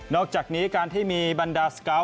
อกจากนี้การที่มีบรรดาสกาว